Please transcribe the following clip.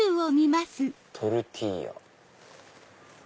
「トルティーヤ」。